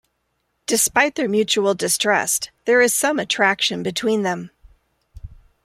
Despite their mutual distrust, there is some attraction between them.